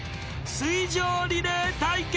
［水上リレー対決］